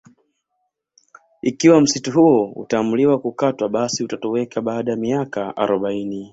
Ikiwa msitu huo utaamuliwa kukatwa basi utatoweka baada ya miaka arobaini